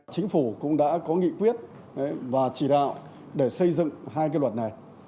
chính phủ cũng đã có nghị quyết và chỉ đạo để xây dựng hai luật này